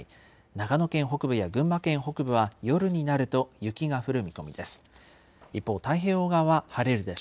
長野県北部や群馬県北部は、夜になると、雪が降る見込みです。